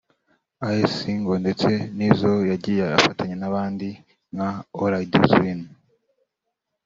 I’s Single ndetse n’izo yagiye afatanya n’abandi nka All I Do is Win